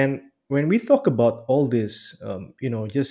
dan ketika kita bicara tentang